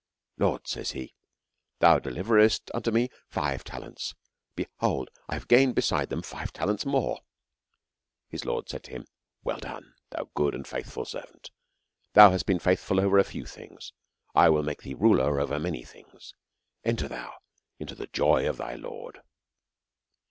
Lord, says he, thou delhcrest unto me five talents ; behold, 1 have gained besides them five talents more. His Lord said unto him, Well done thou good and faithful servant ; thou hast been faithful over a few things, I will make thee ruler over mani/ things ; en ter thou into the joys of thy Lord.